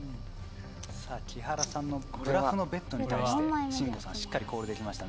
木原さんのブラフのベットに対して信五さんしっかりコールできました。